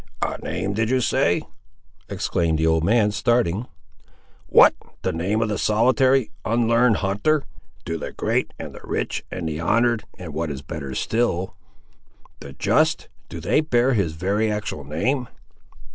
"A name, did you say?" exclaimed the old man, starting; "what, the name of the solitary, unl'arned hunter? Do the great, and the rich, and the honoured, and, what is better still, the just, do they bear his very, actual name?"